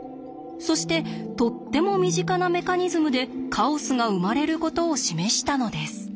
そしてとっても身近なメカニズムでカオスが生まれることを示したのです。